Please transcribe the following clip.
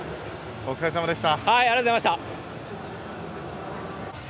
お疲れさまでした。